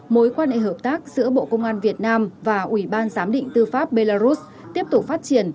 mối quan hệ hợp tác giữa bộ công an việt nam và ủy ban giám định tư pháp belarus tiếp tục phát triển